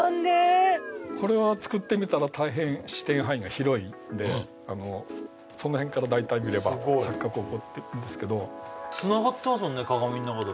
これは作ってみたら大変視点範囲が広いんであのその辺から大体見れば錯覚起こってくるんですけどそうなんですよね